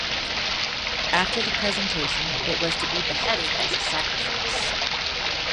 After the presentation, it was to be beheaded as a sacrifice.